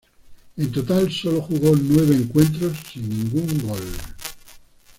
En total solo jugó nueve encuentros, sin ningún gol.